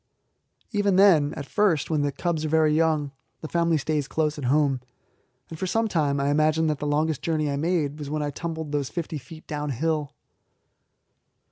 Even then at first, when the cubs are very young, the family stays close at home, and for some time I imagine that the longest journey I made was when I tumbled those fifty feet downhill.